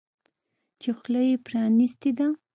چې خوله یې پرانیستې ده.